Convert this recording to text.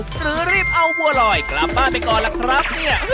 หรือรีบเอาบัวลอยกลับบ้านไปก่อนล่ะครับเนี่ย